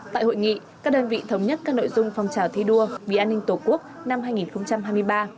tại hội nghị các đơn vị thống nhất các nội dung phong trào thi đua vì an ninh tổ quốc năm hai nghìn hai mươi ba